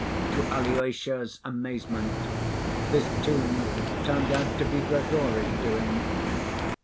To Alyosha's amazement this tomb turned out to be Grigory's doing.